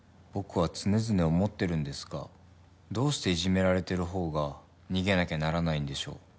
僕は常々思ってるんですがどうしていじめられてる方が逃げなきゃならないんでしょう。